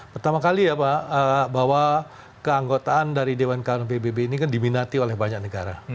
pertama kali ya pak bahwa keanggotaan dari dewan keamanan pbb ini kan diminati oleh banyak negara